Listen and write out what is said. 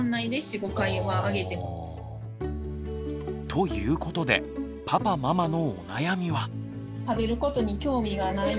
ということでパパママのお悩みは。